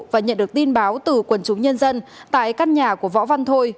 và nhận được tin báo từ quần chúng nhân dân tại căn nhà của võ văn thôi